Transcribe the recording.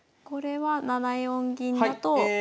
これは７四銀だと。